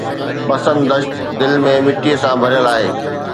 بسن دشت دل ۾ مٽيءَ سان ڀريل آهي